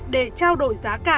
để trao đổi giá cả